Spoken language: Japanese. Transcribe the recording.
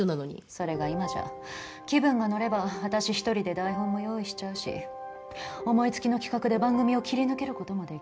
それが今じゃ気分がのれば私一人で台本も用意しちゃうし思いつきの企画で番組を切り抜ける事もできる。